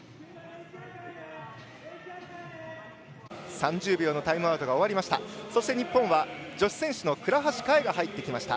３０秒のタイムアウトが終わりました。